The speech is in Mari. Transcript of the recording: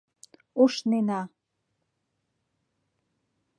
— Ушнена!